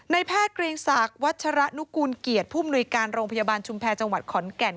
แพทย์เกรียงศักดิ์วัชระนุกูลเกียรติผู้มนุยการโรงพยาบาลชุมแพรจังหวัดขอนแก่น